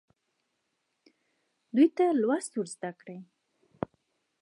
دوی ته لوست ورزده کړئ.